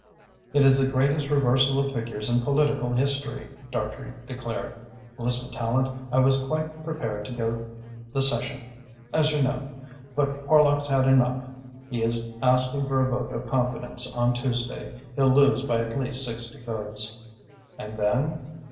"It is the greatest reversal of figures in political history," Dartrey declared. "Listen, Tallente. I was quite prepared to go the Session, as you know, but Horlock's had enough. He is asking for a vote of confidence on Tuesday. He'll lose by at least sixty votes." "And then?"